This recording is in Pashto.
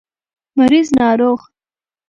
مريض √ ناروغ